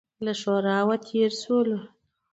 له شورابه تېر شولو.